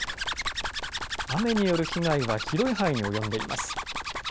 雨による被害は広い範囲に及んでいます。